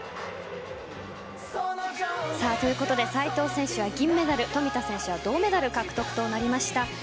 斉藤選手は銀メダル冨田選手は銅メダル獲得となりました。